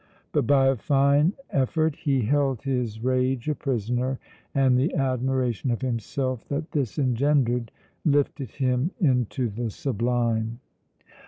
but by a fine effort he held his rage a prisoner, and the admiration of himself that this engendered lifted him into the sublime.